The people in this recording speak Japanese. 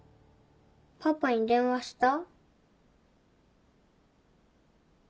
パパに電話した？